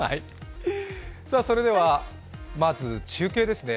それではまず中継ですね。